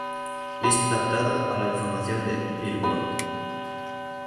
Lista adaptada a la información de "Billboard".